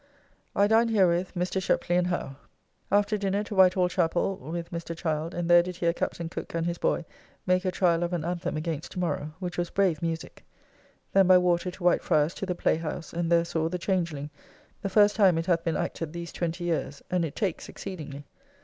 I dined herewith Mr. Shepley and Howe. After dinner to Whitehall Chappell with Mr. Child, and there did hear Captain Cooke and his boy make a trial of an Anthem against tomorrow, which was brave musique. Then by water to Whitefriars to the Play house, and there saw "The Changeling," the first time it hath been acted these twenty years, and it takes exceedingly.